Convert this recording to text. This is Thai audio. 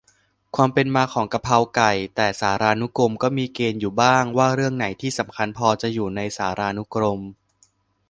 ความเป็นมาของกะเพราไก่ แต่สารานุกรมก็มีเกณฑ์อยู่บ้าง ว่าเรื่องไหนที่ "สำคัญพอ" จะอยู่ในสารานุกรม